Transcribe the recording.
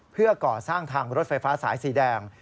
เพื่อก่อสร้างทางรถไฟฟ้าสายสีแดง